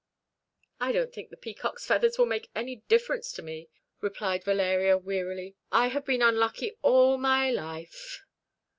"I don't think the peacocks' feathers will make any difference to me," replied Valeria wearily. "I have been unlucky all my life."